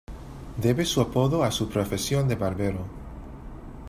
Debe su apodo a su profesión de barbero.